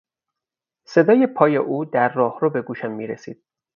صدای پای او در راهرو به گوشم میرسید.